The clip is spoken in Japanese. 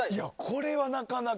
これは、なかなか。